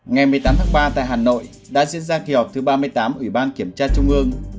ngày một mươi tám tháng ba tại hà nội đã diễn ra kỳ họp thứ ba mươi tám ủy ban kiểm tra trung ương